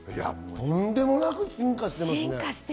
とんでもなく進化してますね。